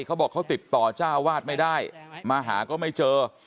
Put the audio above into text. เขาบอกเขาติดต่อเจ้าวาดไม่ได้มาหาก็ไม่เจอ